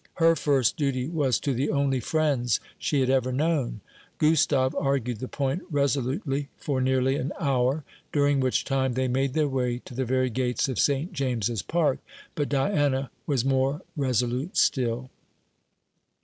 Her first duty was to the only friends she had ever known. Gustave argued the point resolutely for nearly an hour, during which time they made their way to the very gates of St. James's Park, but Diana was more resolute still.